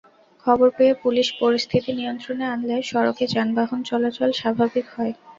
খবর পেয়ে পুলিশ পরিস্থিতি নিয়ন্ত্রণে আনলে সড়কে যানবাহন চলাচল স্বাভাবিক হয়।